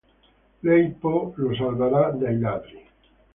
Lei, poi, lo salverà dai ladri.